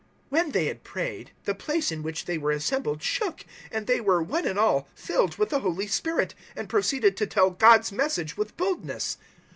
004:031 When they had prayed, the place in which they were assembled shook, and they were, one and all, filled with the Holy Spirit, and proceeded to tell God's Message with boldness.